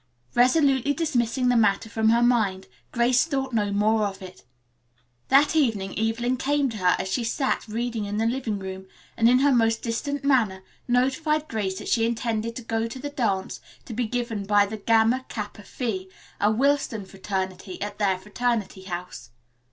Resolutely dismissing the matter from her mind, Grace thought no more of it. That evening Evelyn came to her as she sat reading in the living room and, in her most distant manner, notified Grace that she intended to go to the dance to be given by the Gamma Kappa Phi, a Willston fraternity, at their fraternity house.